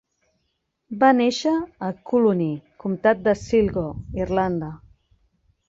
Va néixer a Collooney, comtat de Sligo, Irlanda.